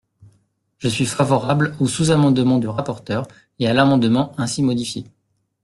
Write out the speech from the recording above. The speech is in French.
Je suis favorable au sous-amendement du rapporteur et à l’amendement ainsi modifié.